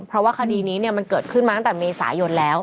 เพราะว่าคดีนี้มันเกิดขึ้นมาตั้งแต่เมษายนแล้ว